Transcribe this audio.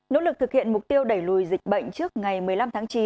nỗ lực thực hiện mục tiêu đẩy lùi dịch bệnh trước ngày một mươi năm tháng chín